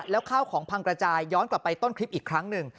แล้วข้าวของพังกระจายย้อนกลับไปต้นคลิปอีกครั้งหนึ่ง